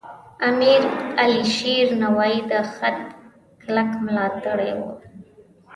امیر علیشیر نوایی د خط کلک ملاتړی و.